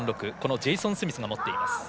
ジェイソン・スミスが持っています。